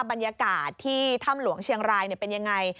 บรรยากาศที่ถ้ำหลวงเชียงรายเป็นยังไง